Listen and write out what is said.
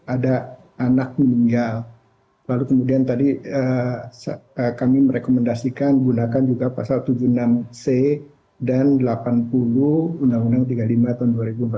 ada anak meninggal lalu kemudian tadi kami merekomendasikan gunakan juga pasal tujuh puluh enam c dan delapan puluh undang undang tiga puluh lima tahun dua ribu empat belas